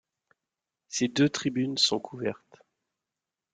Ces deux tribunes sont couvertes.